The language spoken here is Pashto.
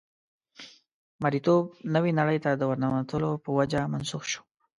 مرییتوب نوې نړۍ ته د ورننوتو په وجه منسوخ شو.